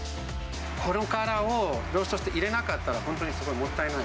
この殻をローストして入れなかったら、本当にすごくもったいない。